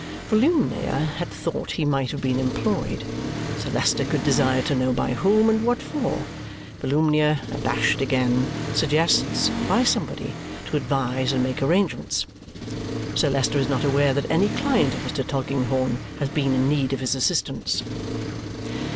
Volumnia had thought he might have been employed. Sir Leicester could desire to know by whom, and what for. Volumnia, abashed again, suggests, by somebody to advise and make arrangements. Sir Leicester is not aware that any client of Mr. Tulkinghorn has been in need of his assistance.